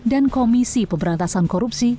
dan komisi pemberantasan korupsi